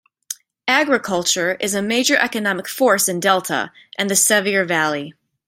Agriculture is a major economic force in Delta and the Sevier valley.